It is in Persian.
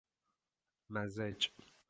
مزج